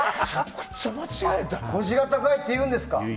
腰が高いっていうんですか？